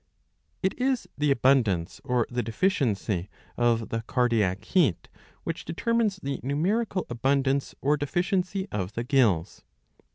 ^^ It is the abundance or the deficiency of the cardiac heat which determines the numerical abundance or deficiency of the gills.